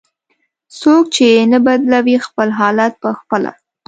"څوک چې نه بدلوي خپل حالت په خپله".